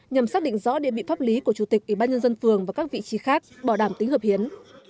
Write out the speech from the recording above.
nhằm xác định rõ địa vị pháp lý của chủ tịch ủy ban nhân dân phường và các vị trí khác bảo đảm tính hợp hiến